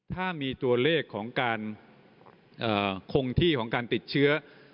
ถ้ามีตัวเลขของการคงที่ของการติดเชื้อ